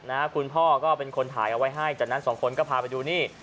นะคุณพ่อก็เป็นคนถ่ายเอาไว้ให้จากนั้นสองคนก็พาไปดูนี่